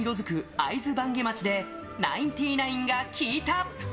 会津坂下町で、ナインティナインが聞いた。